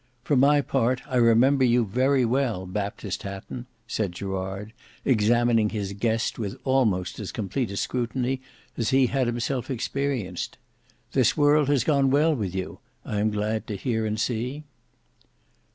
For my part I remember you very well, Baptist Hatton," said Gerard, examining his guest with almost as complete a scrutiny as he had himself experienced. "This world has gone well with you, I am glad to hear and see."